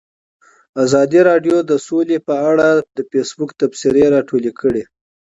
ازادي راډیو د سوله په اړه د فیسبوک تبصرې راټولې کړي.